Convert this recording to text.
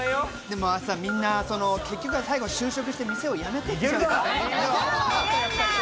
みんな結局は最後就職して店を辞めていっちゃうから。